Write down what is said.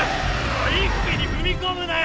一気に踏み込むなよ！